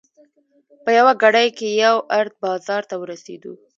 په یوه ګړۍ کې یو ارت بازار ته ورسېدو.